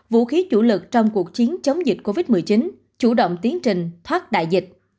vũ khí chủ lực trong cuộc chiến chống dịch covid một mươi chín chủ động tiến trình thoát đại dịch